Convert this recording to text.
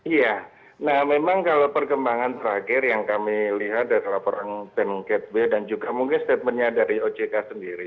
iya nah memang kalau perkembangan terakhir yang kami lihat dari laporan bank gateway dan juga mungkin statementnya dari ojk sendiri